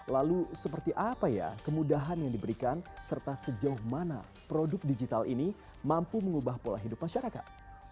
lalu seperti apa ya kemudahan yang diberikan serta sejauh mana produk digital ini mampu mengubah pola hidup masyarakat